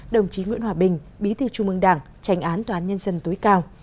đồng chí nguyễn hòa bình bí thư trung mương đảng trành án toán nhân dân tối cao